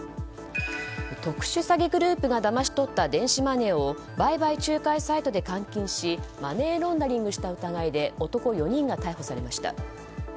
特殊詐欺グループがだまし取った電子マネーを売買仲介サイトで換金しマネーロンダリングした疑いで男４人が逮捕されました。